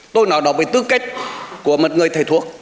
tôi nói đó bởi tư cách của một người thầy thuộc